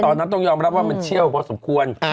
ตอนนั้นต้องยอมรับว่ามันเชี่ยวพอสมควร